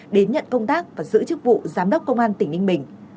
đến nhận công tác và giữ chức vụ giám đốc công an tỉnh ninh bình